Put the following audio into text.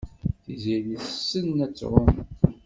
Tiziri tessen ad tɛum.